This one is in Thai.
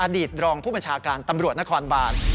ตรองผู้บัญชาการตำรวจนครบาน